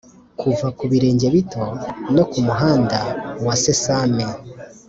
kuva ku birenge bito, no ku muhanda wa sesame,